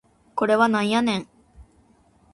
これはなんやねん